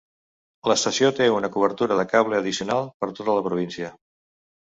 L'estació té una cobertura de cable addicional per tota la província.